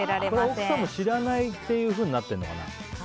これ奥さんも知らないっていうふうになってるのかな。